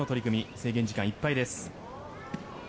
制限時間いっぱいです。